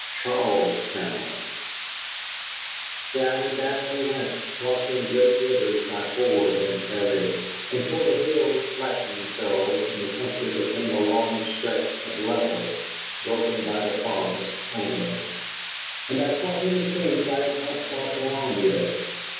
CHARLESTOWN Down and down we went, crossing great rivers by ford and ferry, until the hills flattened themselves and the country became a long stretch of level, broken by the forests only; and I saw many things I had not thought were on the earth.